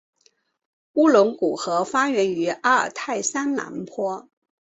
乌伦古河发源于阿尔泰山南坡。